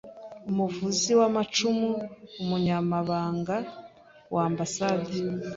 Umuvuzi w’amacumu: Umunyamabanga w’Ambasade.